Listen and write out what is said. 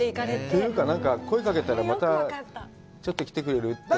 というか、なんか声をかけたら、またちょっと来てくれるって。